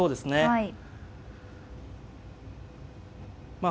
はい。